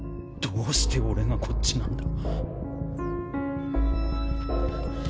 どうしておれがこっちなんだ？